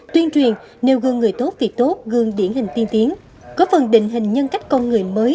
tuyên truyền nêu gương người tốt việc tốt gương điển hình tiên tiến có phần định hình nhân cách con người mới